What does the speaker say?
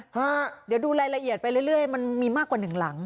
เดี๋ยวดูรายละเอียดไปเรื่อยมันมีมากกว่าหนึ่งหลัง